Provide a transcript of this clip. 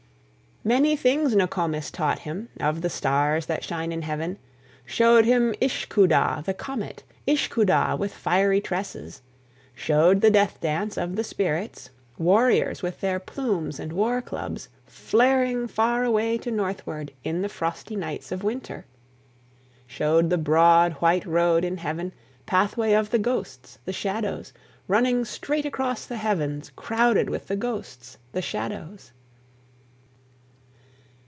Many things Nokomis taught him Of the stars that shine in heaven; Showed him Ishkoodah, the comet, Ishkoodah, with fiery tresses; Showed the Death Dance of the spirits, Warriors with their plumes and war clubs, Flaring far away to northward In the frosty nights of winter; Showed the broad, white road in heaven, Pathway of the ghosts, the shadows, Running straight across the heavens, Crowded with the ghosts, the shadows.